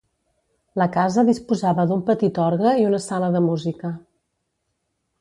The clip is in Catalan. La casa disposava d'un petit orgue i una sala de música.